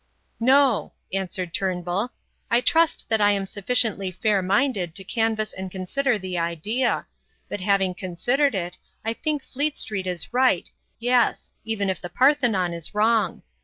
"No," answered Turnbull; "I trust that I am sufficiently fair minded to canvass and consider the idea; but having considered it, I think Fleet Street is right, yes even if the Parthenon is wrong.